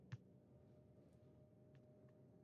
Qon bosimi ko‘tarilganini his qildi.